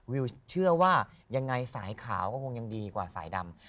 วิวเชื่อว่ายังไงสายขาวก็คงยังดีกว่าสายดำ